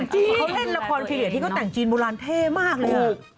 จริงเขาแท่นละครพิเศษที่เขาแต่งจีนโบราณเท่มากเลย